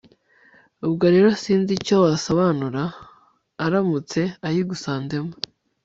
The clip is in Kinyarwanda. ubwo rero sinzi icyo wasobanura aramutse ayigusanzemo